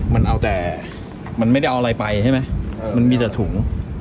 มันเอาแต่มันไม่ได้เอาอะไรไปใช่ไหมมันมีแต่ถุง